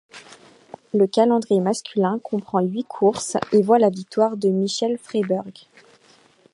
Le calendrier masculin comprend huit courses et voit la victoire de Michael Freiberg.